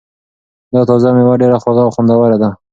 دا تازه مېوه ډېره خوږه او خوندوره ده.